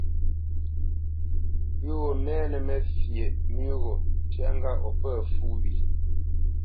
Pʉ̌ gho mɛnə́ məfyeʼ mú gho ntyá ŋgâʼ o pə̂ fú wye.